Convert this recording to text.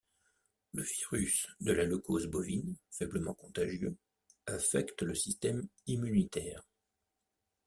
Le virus de la leucose bovine, faiblement contagieux, affecte le système immunitaire.